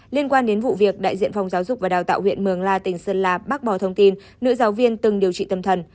liên quan đến vụ việc đại diện phòng giáo dục và đào tạo huyện mường la tỉnh sơn la bác bỏ thông tin nữ giáo viên từng điều trị tâm thần